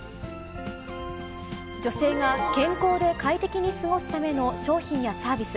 女性が健康で快適に過ごすための商品やサービス。